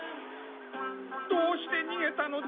どうしてにげたのですか？